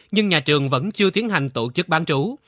nhưng nhà trường vẫn chưa tiến hành tổ chức bán chú